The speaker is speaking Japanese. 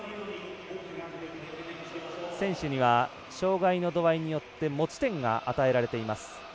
選手には障がいの度合いによって持ち点が与えられています。